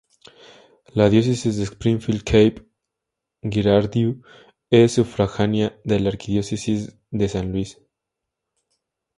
La Diócesis de Springfield-Cape Girardeau es sufragánea de la Arquidiócesis de San Luis.